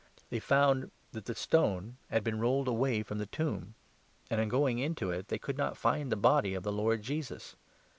They found that 2 the stone had been rolled away from the tomb ; and, on going 3 into it, they could not find the body [of the Lord Jesus].